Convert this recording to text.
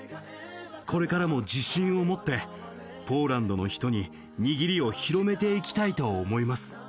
これからも自信を持ってポーランドの人ににぎりを広めていきたいと思います